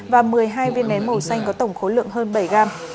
và một mươi hai viên nén màu xanh có tổng khối lượng hơn bảy gram